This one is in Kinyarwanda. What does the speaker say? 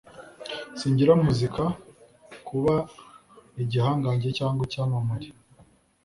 Sinigira Muzika kuba igihangange cyangwa icyamamare.